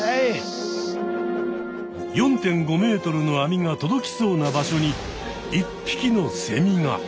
４．５ｍの網が届きそうな場所に一匹のセミが！